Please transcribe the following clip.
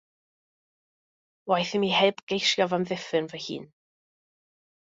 Waeth i mi heb geisio f'amddiffyn fy hun.